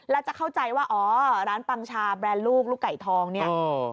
แล้วจะเข้าใจว่าอ๋อร้านปังชาแบรนด์ลูกลูกไก่ทองเนี่ย